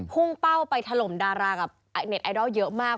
พุ่งเป้าไปถล่มดารากับเน็ตไอดอลเยอะมาก